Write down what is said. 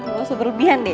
gak usah berlebihan deh